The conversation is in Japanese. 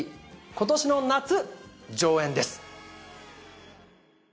今年の夏上演です